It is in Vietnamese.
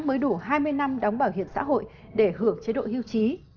mới đủ hai mươi năm đóng bảo hiểm xã hội để hưởng chế độ hưu trí